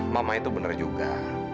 mama itu benar juga